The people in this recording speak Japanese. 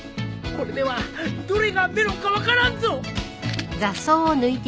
これではどれがメロンか分からんぞ。